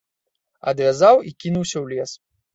Адвязаў і кінуўся ў лес.